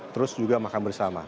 terus juga makan bersama